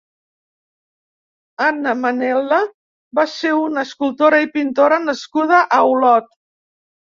Anna Manel·la va ser una escultora i pintora nascuda a Olot.